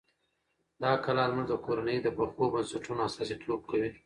دا کلا زموږ د کورنۍ د پخو بنسټونو استازیتوب کوي.